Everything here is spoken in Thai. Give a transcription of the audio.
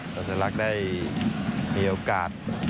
สะสะลักได้มีโอกาส